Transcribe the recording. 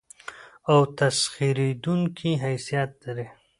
او تسخېرېدونکى حيثيت لري.